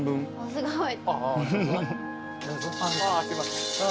すごい。